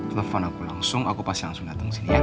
telepon aku langsung aku pasti langsung datang ke sini